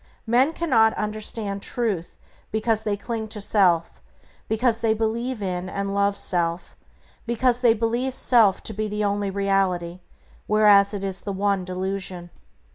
Men cannot understand Truth because they cling to self, because they believe in and love self, because they believe self to be the only reality, whereas it is the one delusion.